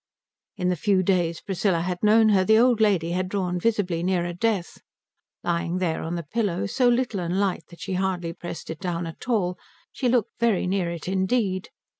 In the few days Priscilla had known her the old lady had drawn visibly nearer death. Lying there on the pillow, so little and light that she hardly pressed it down at all, she looked very near it indeed.